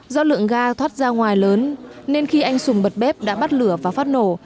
do lượng ga thoát ra ngoài lớn nên khi anh sùng bật bếp đã bắt lửa và phát nổ